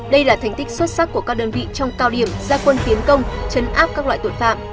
đây là thành tích xuất sắc của các đơn vị trong cao điểm gia quân tiến công chấn áp các loại tội phạm